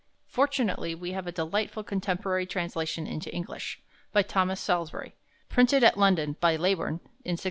Fortunately, we have a delightful contemporary translation into English, by Thomas Salusbury, printed at London by Leybourne in 1661.